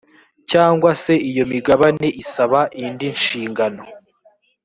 cyangwa se iyo imigabane isaba indi nshingano